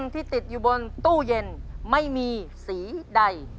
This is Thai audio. ตู้เย็นไม่มีสีใด